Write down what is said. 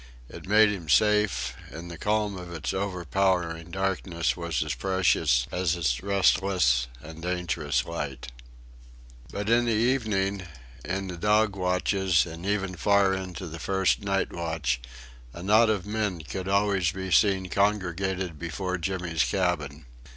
It made him safe, and the calm of its overpowering darkness was as precious as its restless and dangerous light. But in the evening, in the dog watches, and even far into the first night watch, a knot of men could always be seen congregated before Jimmy's cabin.